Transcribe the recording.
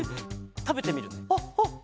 たべてみるね。